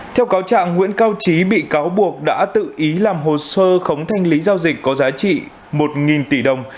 theo cáo trạng nguyễn cao trí bị cáo buộc đã tự ý làm hồ sơ khống thanh lý giao dịch có giá trị một tỷ đồng